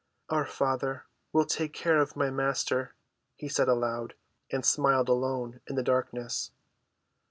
"Our Father will take care of my Master," he said aloud, and smiled alone in the darkness.